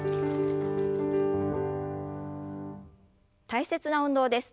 大切な運動です。